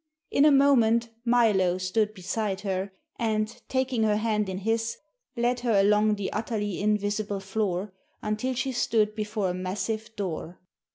In a moment Milo stood beside her and, taking her hand in his, led her along the utterly invisible floor until she stood before a massive door.